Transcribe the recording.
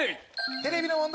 「テレビ」の問題